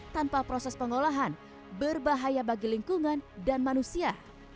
tanpa proses pengolahan berbahaya bagi lingkungan dan manusia